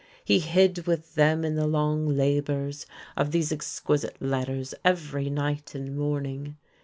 He hid with them in the long labours of these exquisite letters every night and morning.